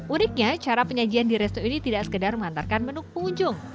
uniknya cara penyajian di resto ini tidak sekedar mengantarkan menu pengunjung